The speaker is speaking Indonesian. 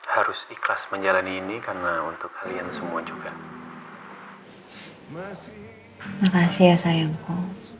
terima kasih ya sayangku